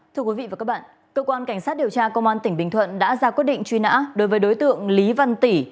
thưa quý vị và các bạn cơ quan cảnh sát điều tra công an tỉnh bình thuận đã ra quyết định truy nã đối với đối tượng lý văn tỷ